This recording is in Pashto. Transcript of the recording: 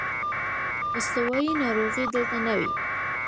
استوايي ناروغۍ دلته نه وې.